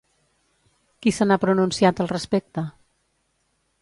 Qui se n'ha pronunciat al respecte?